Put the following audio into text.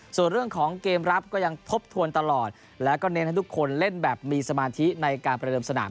ส่วนเรื่องของเกมรับก็ยังทบทวนตลอดแล้วก็เน้นให้ทุกคนเล่นแบบมีสมาธิในการประเดิมสนาม